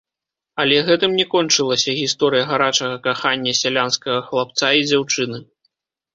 Але гэтым не кончылася гісторыя гарачага кахання сялянскага хлапца і дзяўчыны.